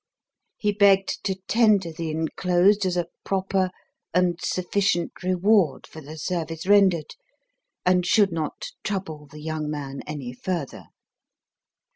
He begged to tender the enclosed as a proper and sufficient reward for the service rendered, and 'should not trouble the young man any further.'